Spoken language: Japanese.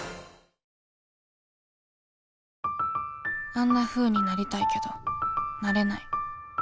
あんなふうになりたいけどなれない